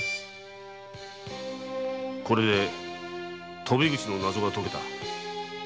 これで鳶口の謎が解けた。